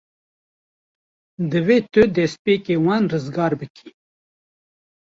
Divê tu destpêkê wan rizgar bikî.